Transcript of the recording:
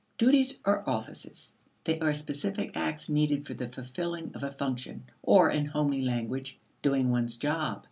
Duties are "offices" they are the specific acts needed for the fulfilling of a function or, in homely language doing one's job.